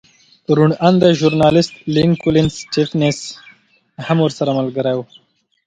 روڼ اندی ژورنالېست لینکولن سټېفنس هم ورسره ملګری و